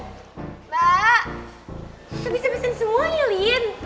mbak lo bisa pesen semuanya lin